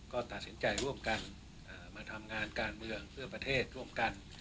ก็ตัดสินใจร่วมกันมาทำงานการเมืองเพื่อประเทศร่วมกัน